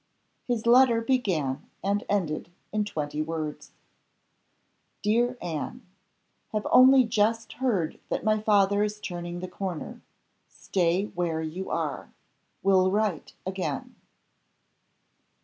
His letter began and ended in twenty words: "DEAR ANNE, Have only just heard that my father is turning the corner. Stay where you are. Will write again."